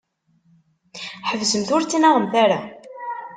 Ḥebsemt ur ttnaɣemt ara.